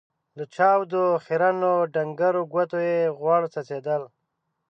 له چاودو، خيرنو ، ډنګرو ګوتو يې غوړ څڅېدل.